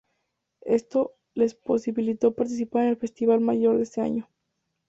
Esto les posibilitó participar en el festival mayor de ese año.